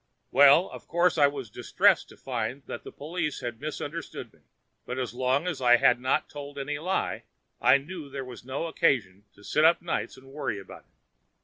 'Well, of course I was distressed to find that the police had misunderstood me, but as long as I had not told any lie I knew there was no occasion to sit up nights and worry about it.'